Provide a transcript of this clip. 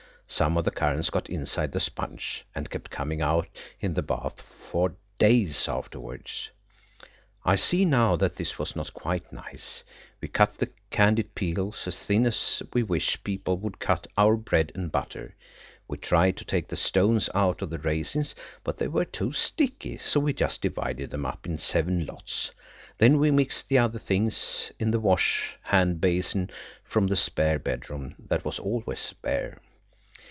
Some of the currants got inside the sponge and kept coming out in the bath for days afterwards. I see now that this was not quite nice. We cut the candied peel as thin as we wish people would cut our bread and butter. We tried to take the stones out of the raisins, but they were too sticky, so we just divided them up in seven lots. Then we mixed the other things in the wash hand basin from the spare bedroom that was always spare.